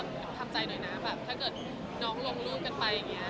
ทำใจหน่อยนะแบบถ้าเกิดน้องลงรูปกันไปอย่างนี้